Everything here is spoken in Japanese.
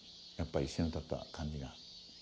やっぱり一緒に歌った感じが。